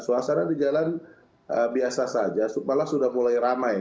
suasana di jalan biasa saja malah sudah mulai ramai